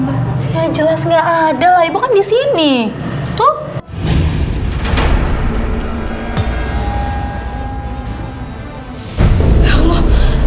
iya jelas nggak ada ibu kan di sini tuh